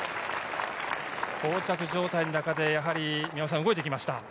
こう着状態の中で動いてきました。